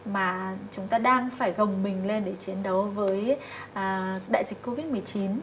mà chúng ta đang phải gồng mình lên để chiến đấu với đại dịch covid một mươi chín